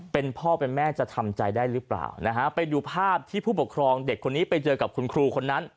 เป็นพ่อเป็นแม่จะทำใจได้หรือเปล่านะฮะไปดูภาพที่ผู้ปกครองเด็กคนนี้ไปเจอกับคุณครูคนนั้น